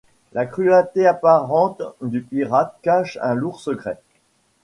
La cruaté apparente du pirate cache un lourd secret.